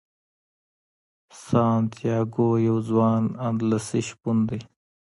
سانتیاګو یو ځوان اندلسي شپون دی.